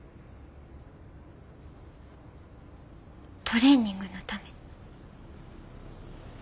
トレーニングのため。